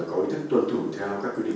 có ý thức tuần thủ theo các quy định